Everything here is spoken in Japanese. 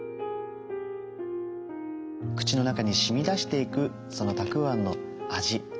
口の中にしみ出していくそのたくあんの味